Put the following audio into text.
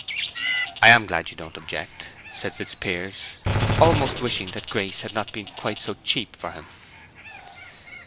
'" "I am glad you don't object," said Fitzpiers, almost wishing that Grace had not been quite so cheap for him.